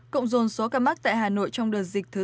cộng dồn số ca mắc tại hà nội trong đợt dịch thứ hai